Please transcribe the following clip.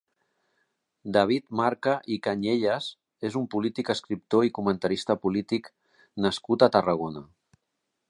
David Marca i Cañellas és un polític, escriptor i comentarista polític nascut a Tarragona.